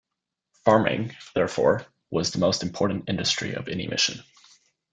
Farming, therefore, was the most important industry of any mission.